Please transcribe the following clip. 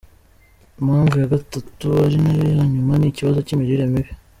Impamvu ya gatatu ari na yo ya nyuma ni ikibazo cy’imirire mibi.